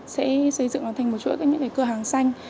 sẽ xây dựng nó thành một chỗ như cửa hàng xanh